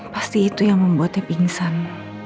pasti itu yang membuatnya pingsan